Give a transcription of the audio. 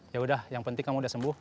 yaudah yang penting kamu udah sembuh